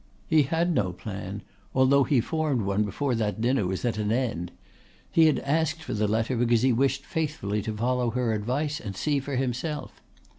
He had no plan, although he formed one before that dinner was at an end. He had asked for the letter because he wished faithfully to follow her advice and see for himself.